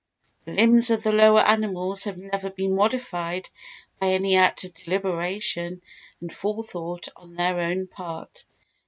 The limbs of the lower animals have never been modified by any act of deliberation and forethought on their own part.